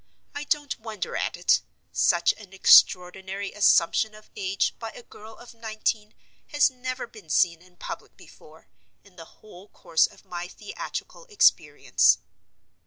I don't wonder at it. Such an extraordinary assumption of age by a girl of nineteen has never been seen in public before, in the whole course of my theatrical experience.